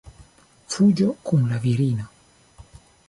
Fuĝo kun la virino.